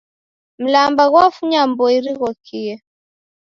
Mlamba ghwafunya mboi righokie.